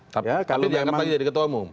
tapi dia akan menjadi ketua umum